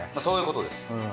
そういうことです。